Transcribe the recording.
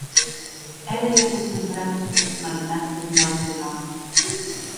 Ère ua des mès granes personalitats deth nòste lòc.